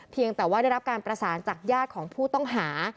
เพียงแต่ว่าได้รับการประสานจากญาติของผู้ต้องหา